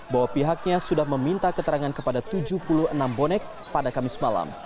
bahwa pihaknya sudah meminta keterangan kepada tujuh puluh enam bonek pada kamis malam